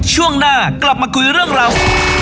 ช่วงหน้ากลับมาคุยเรื่องราว